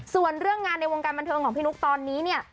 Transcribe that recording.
ส่วนเรื่องงานในวงการบันเทิงของพี่นุ๊กตอนนี้เนี่ย